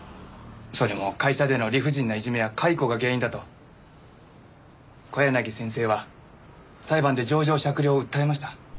それも会社での理不尽ないじめや解雇が原因だと小柳先生は裁判で情状酌量を訴えました。